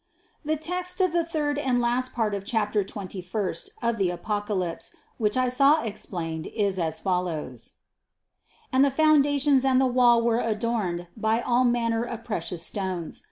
The text of the third and last part of chapter twenty first of the Apocalypse which I saw explained is as follows: 19. "And the foundations and the wall were adorned by all manner of precious stones.